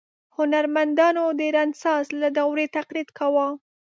هنرمندانو د رنسانس له دورې تقلید کاوه.